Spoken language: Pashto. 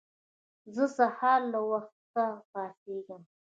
زه سهار له وخته پاڅيږم.